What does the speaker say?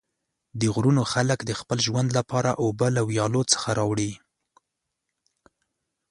د غرونو خلک د خپل ژوند لپاره اوبه له ویالو څخه راوړي.